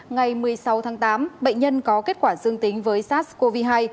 ngày một mươi sáu tháng tám bệnh nhân có kết quả dương tính với sars cov hai